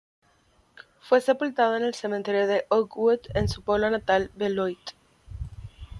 Fue sepultado en el cementerio de Oakwood en su pueblo natal Beloit.